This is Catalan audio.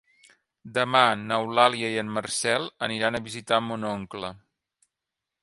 Demà n'Eulàlia i en Marcel aniran a visitar mon oncle.